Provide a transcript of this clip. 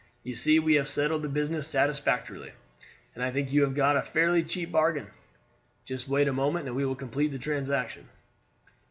"You see we have settled the business satisfactorily, and I think you have got a fairly cheap bargain. Just wait a moment and we will complete the transaction."